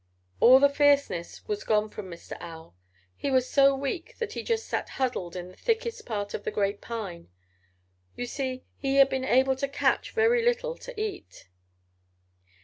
All the fierceness was gone from Mr. Owl. He was so weak that he just sat huddled in the thickest part of the great pine. You see he had been able to catch very little to eat.